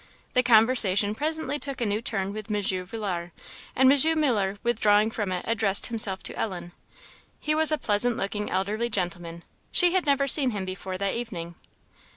The conversation presently took a new turn with M. Villars; and M. Muller withdrawing from it, addressed himself to Ellen. He was a pleasant looking elderly gentleman; she had never seen him before that evening.